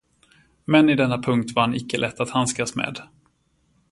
Men i denna punkt var han icke lätt att handskas med.